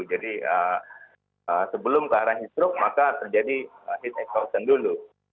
jadi sebelum ke arah heat stroke maka terjadi heat exhaustion dulu